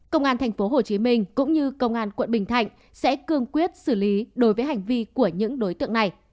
công an tp hcm cũng như công an tp hcm sẽ cương quyết xử lý đối với hành vi của những đối tượng này